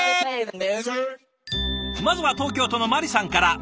まずは東京都のまりさんから。